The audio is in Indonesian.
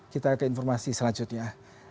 kita ke informasi selanjutnya